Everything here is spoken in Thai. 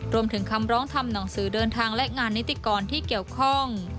คำร้องทำหนังสือเดินทางและงานนิติกรที่เกี่ยวข้อง